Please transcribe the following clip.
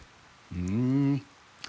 ふん！